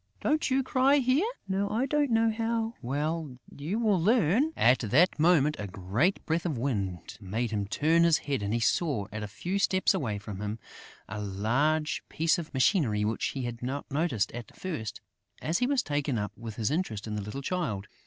Don't you cry here?" "No, I don't know how...." "Well, you will learn...." At that moment, a great breath of wind made him turn his head and he saw, at a few steps away from him, a large piece of machinery which he had not noticed at first, as he was taken up with his interest in the little Child.